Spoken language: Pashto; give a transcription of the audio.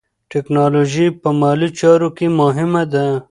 ټیکنالوژي په مالي چارو کې مهمه ده.